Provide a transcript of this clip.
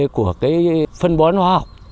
của cái phân bón hoa học